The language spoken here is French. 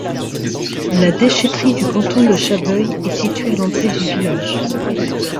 La déchèterie du canton de Chabeuil est située à l'entrée du village.